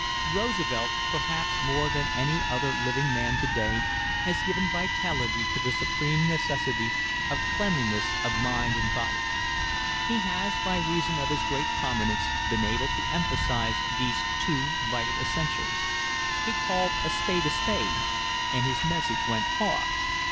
Roosevelt, perhaps more than any other living man today, has given vitality to the supreme necessity of cleanliness of mind and body. He has, by reason of his great prominence, been able to emphasize these two vital essentials. He called a spade a spade and his message went far.